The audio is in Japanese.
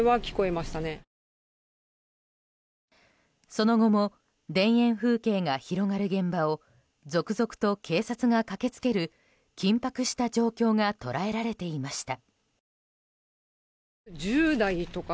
その後も田園風景が広がる現場を続々と警察が駆け付ける緊迫した状況が捉えられていました。